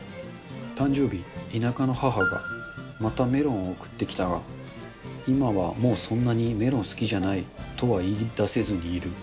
誕生日、田舎の母がまたメロンを送ってきたが、今はもうそんなにメロン好きじゃないとは言い出せずにいる。